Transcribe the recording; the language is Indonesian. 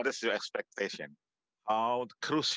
untuk penyelamat ekonomi